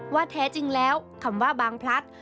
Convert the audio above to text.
แท้จริงแล้วคำว่าบางพลัด